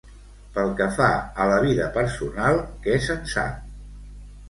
Pel que fa a la vida personal, què se'n sap?